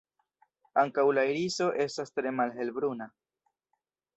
Ankaŭ la iriso estas tre malhelbruna.